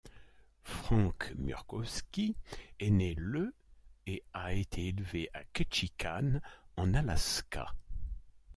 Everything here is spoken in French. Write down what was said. Frank Murkowski est né le et a été élevé à Ketchikan en Alaska.